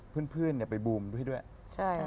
เพื่อนไปบูมด้วย